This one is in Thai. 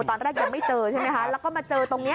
ตอนแรกยังไม่เจอใช่ไหมคะแล้วก็มาเจอตรงนี้